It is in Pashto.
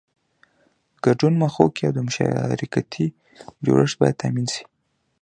ګډون مخوکی او مشارکتي جوړښت باید تامین شي.